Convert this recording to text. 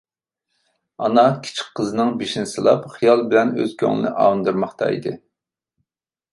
ئانا كىچىك قىزىنىڭ بېشىنى سىلاپ خىيال بىلەن ئۆز كۆڭلىنى ئاۋۇندۇرماقتا ئىدى.